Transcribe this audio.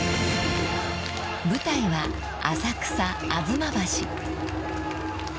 ［舞台は浅草吾妻橋］